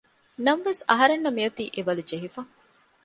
ނަމަވެސް އަހަރެންނަށް މި އޮތީ އެ ބަލި ޖެހިފަ